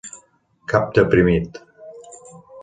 Cap deprimit.